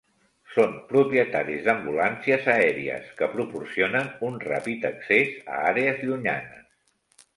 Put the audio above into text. Són propietaris d'ambulàncies aèries, que proporcionen un ràpid accés a àrees llunyanes.